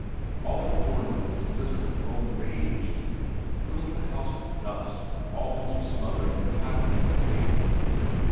All the forenoon this blizzard of loam raged, filling the house with dust, almost smothering the cattle in the stable.